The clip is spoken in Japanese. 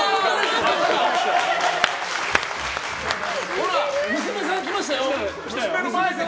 ほら、娘さん来ましたよ。